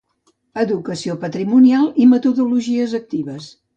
Educació patrimonial i metodologies actives.